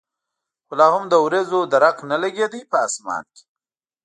خو لا هم د ورېځو درک نه لګېده په اسمان کې.